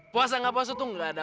puasa gak puasa tuh gak ada